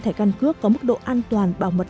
thể cân cước có mức độ an toàn bảo mật